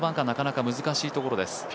なかなか難しいところです。